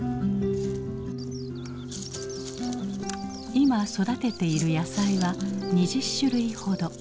今育てている野菜は２０種類ほど。